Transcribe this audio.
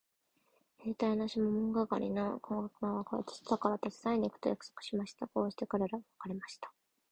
兵隊のシモン係の小悪魔は明日から手伝いに行くと約束しました。こうして彼等は別れました。